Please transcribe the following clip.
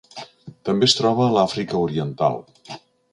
També es troba a l'Àfrica oriental.